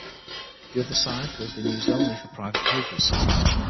The other side would have been used only for private papers.